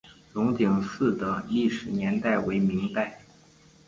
龙井寺的历史年代为明代。